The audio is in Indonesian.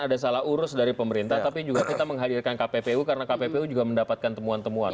ada salah urus dari pemerintah tapi juga kita menghadirkan kppu karena kppu juga mendapatkan temuan temuan